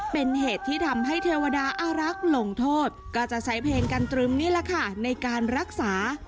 เป็นเหตุที่ทำให้เทวดาอารักษ์หลงโทษก็จะใช้เพลงกันตรึมนี่แหละค่ะในการรักษา